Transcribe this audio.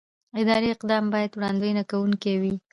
اداري اقدام باید وړاندوينه کېدونکی وي.